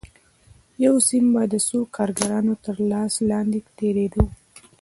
یو سیم به د څو کارګرانو تر لاس لاندې تېرېده